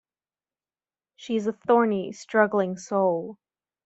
She is a thorny, struggling soul.